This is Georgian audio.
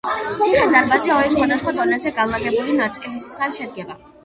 ციხე-დარბაზი ორი, სხვადასხვა დონეზე განლაგებული ნაწილისგან შედგება.